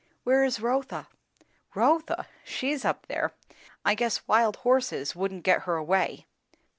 "Where is Rotha?" "Rotha! she's up there. I guess wild horses wouldn't get her away.